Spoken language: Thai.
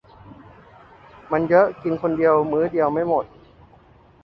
มันเยอะกินคนเดียวมื้อเดียวไม่หมด